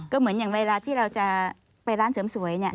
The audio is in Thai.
ก็เหมือนอย่างเวลาที่เราจะไปร้านเสริมสวยเนี่ย